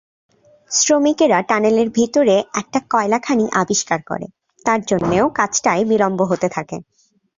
শ্রমিকেরা টানেলের ভিতরে একটা কয়লা খনি আবিষ্কার করে, তার জন্যেও কাজটায় বিলম্ব হতে থাকে।